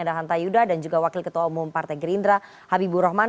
ada hanta yuda dan juga wakil ketua umum partai gerindra habibur rahman